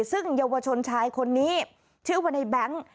ซึ่งเยาวชนชายคนนี้ชื่อว่าในแบงค์